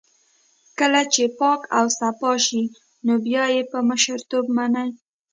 کله چې پاک اوصاف شي نو بيا يې په مشرتوب مني.